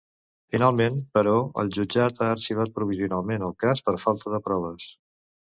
Finalment, però, el jutjat ha arxivat provisionalment el cas per falta de proves.